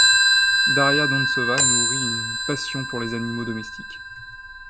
Daria Dontsova nourrit une passion pour les animaux domestiques.